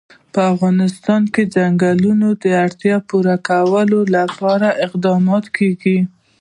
په افغانستان کې د ځنګلونه د اړتیاوو پوره کولو لپاره اقدامات کېږي.